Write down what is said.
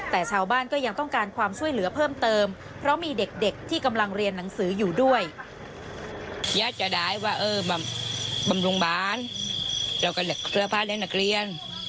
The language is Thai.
แต่ชาวบ้านก็ยังต้องการความช่วยเหลือเพิ่มเติมเพราะมีเด็กที่กำลังเรียนหนังสืออยู่ด้วย